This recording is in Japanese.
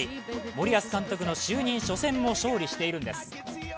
森保監督の就任初戦も勝利しているんです。